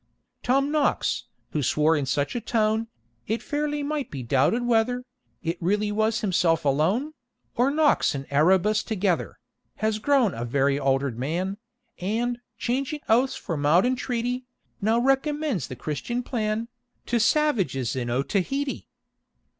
TOM KNOX who swore in such a tone It fairly might be doubted whether It really was himself alone, Or Knox and Erebus together Has grown a very altered man, And, changing oaths for mild entreaty, Now recommends the Christian plan To savages in Otaheite!